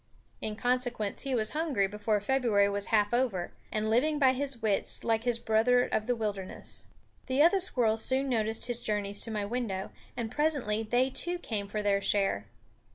In consequence he was hungry before February was half over, and living by his wits, like his brother of the wilderness. The other squirrels soon noticed his journeys to my window, and presently they too came for their share.